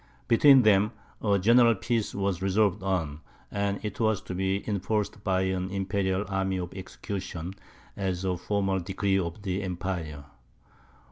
Between them, a general peace was resolved on, and it was to be enforced by an imperial army of execution, as a formal decree of the Empire.